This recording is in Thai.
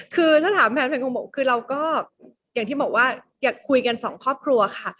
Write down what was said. คือถ้าถามแฟนเพลงของหนูคือเราก็อย่างที่บอกว่าอยากคุยกันสองครอบครัวค่ะ